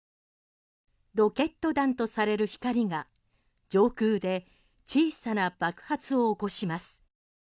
ロケット弾とされる光が上空で小さな爆発を起こします。